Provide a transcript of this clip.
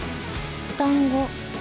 団子。